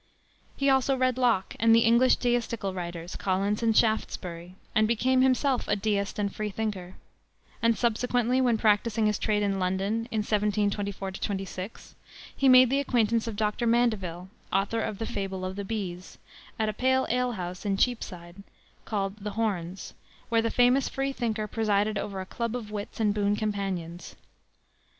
He also read Locke and the English deistical writers, Collins and Shaftesbury, and became himself a deist and free thinker; and subsequently when practicing his trade in London, in 1724 26, he made the acquaintance of Dr. Mandeville, author of the Fable of the Bees, at a pale ale house in Cheapside, called "The Horns," where the famous free thinker presided over a club of wits and boon companions.